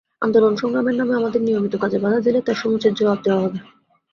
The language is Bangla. আন্দোলন-সংগ্রামের নামে আমাদের নিয়মিত কাজে বাধা দিলে তার সমুচিত জবাব দেওয়া হবে।